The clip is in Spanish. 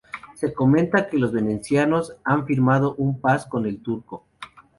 Se comenta que los venecianos han firmado una paz con el turco.